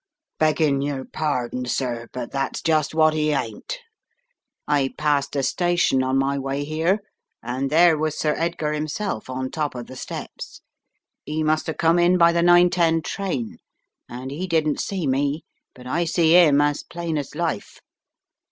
" Beggin' your pardon, sir, but that's just what 9 e ain't. I passed the station on my way here, and there was Sir Edgar 'imself on top of the steps. TE must 'ave come in by the 9 :10 train and 'e didn't see me, but I see 'im as plain as life.